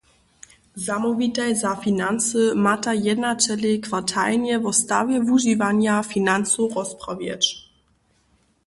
Zamołwitaj za financy mataj jednaćelej kwartalnje wo stawje wužiwanja financow rozprawjeć.